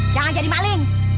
jangan jadi maling